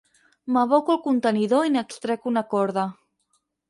M'aboco al contenidor i n'extrec una corda.